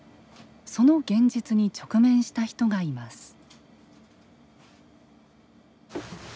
その現実に直面した人がいます。